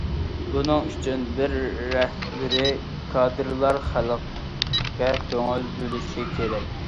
بۇنىڭ ئۈچۈن، بىرى، رەھبىرىي كادىرلار خەلققە كۆڭۈل بۆلۈشى كېرەك.